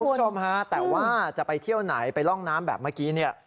คุณผู้ชมฮะแต่ว่าจะไปเที่ยวไหนไปร่องน้ำแบบเมื่อกี้เนี่ย